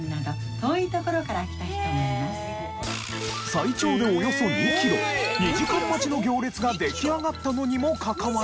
最長でおよそ２キロ２時間待ちの行列が出来上がったのにもかかわらず。